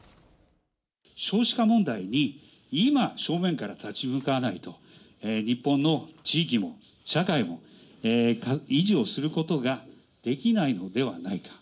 少子化問題に今、正面から立ち向かわないと、日本の地域も社会も維持をすることができないのではないか。